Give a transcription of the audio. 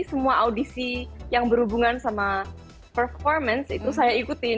semua audisi yang berhubungan dengan performance itu saya ikuti